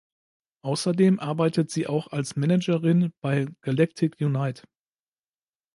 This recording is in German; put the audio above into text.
Außerdem arbeitet sie auch als Managerin bei "Galactic Unite".